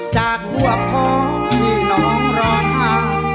จากหัวพ่อมีน้องรอดหา